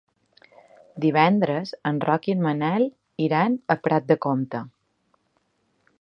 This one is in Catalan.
Divendres en Roc i en Manel iran a Prat de Comte.